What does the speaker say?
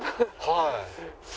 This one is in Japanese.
はい。